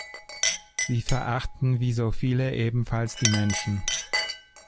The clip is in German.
Sie verachten wie so viele ebenfalls die Menschen.